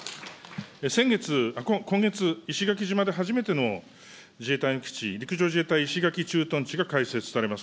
先月、今月、石垣島で初めての自衛隊の基地、自衛隊石垣駐屯地の開設されます。